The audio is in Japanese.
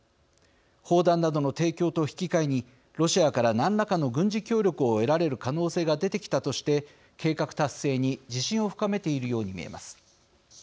砲弾などの提供と引き換えにロシアから何らかの軍事協力を得られる可能性が出てきたとして計画達成に自信を深めているように見えます。